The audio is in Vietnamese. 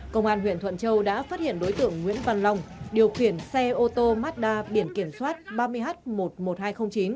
công an huyện thuận châu đã phát hiện đối tượng nguyễn văn long điều khiển xe ô tô mazda biển kiểm soát ba mươi h một mươi một nghìn hai trăm linh chín